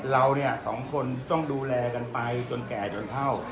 เราเนี่ยสองคนต้องดูแลกันไปจนแก่จนเท่า